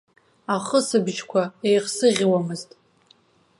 Ахысыбжьқәа еихсыӷьуамызт.